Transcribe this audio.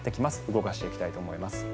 動かしていきたいと思います。